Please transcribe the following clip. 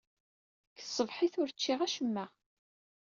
Seg tṣebḥit, ur cciɣ acemma.